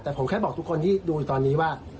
แต่ผมแค่บอกทุกคนที่ดูอยู่ตอนนี้ว่า